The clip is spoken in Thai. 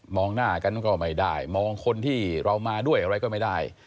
หน้ากันก็ไม่ได้มองคนที่เรามาด้วยอะไรก็ไม่ได้